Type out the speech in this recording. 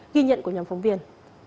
ghi nhận của nhóm phóng viên